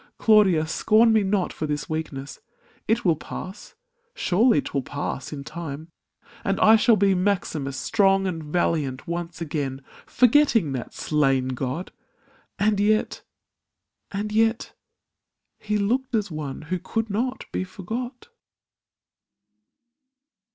Claudia, Scorn me not for this weakness ; it will pass Surely 'twill pass in time and I shall be Maximus strong and valiant once again. Forgetting that slain god ! and yet — and yet — He looked as one who could not be forgot